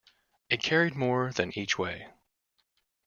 It carried more than each way.